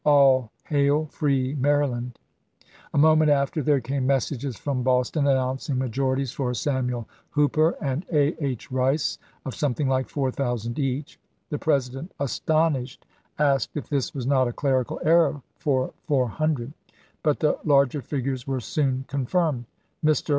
All hail, free Maryland !" A moment after there came messages from Boston announcing majorities for Samuel Hooper and A. H. Rice of something like 4000 each. The President, astonished, asked if this was not a clerical error for 400, but the larger figures were soon confirmed. Mr.